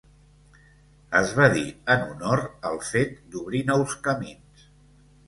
Es va dir en honor al fet d'obrir nous camins.